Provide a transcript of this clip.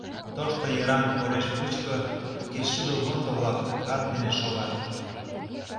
Тошто йыраҥ кореш мучко кечшудо вондо-влак рат дене шогат.